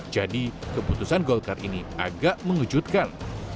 jadi keputusan golkar ini agak mengejutkan